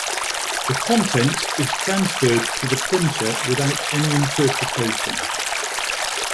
The contents is transferred to the printer without any interpretation.